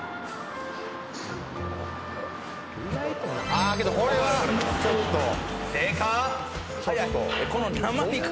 ああけどこれはちょっとでかっ